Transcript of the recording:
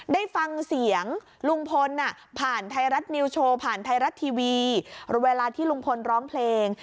ได้ฟังเสียงลุงพลผ่านไทยรัฐนิวโชว์ผ่านไทยรัฐทีวีเวลาที่ลุงพลร้องเพลง